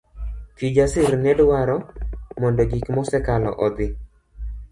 Kijasir nedwaro mondo gik mosekalo odhi.